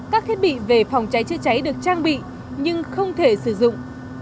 các thiết bị về phòng cháy chữa cháy được trang bị nhưng không thể sử dụng